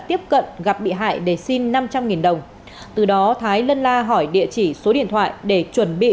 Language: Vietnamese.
tiếp cận gặp bị hại để xin năm trăm linh đồng từ đó thái lân la hỏi địa chỉ số điện thoại để chuẩn bị